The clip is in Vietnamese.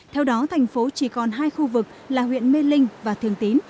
theo đó thành phố chỉ còn hai khu vực là huyện mê linh và thường tín